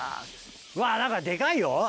うわ何かデカいよ。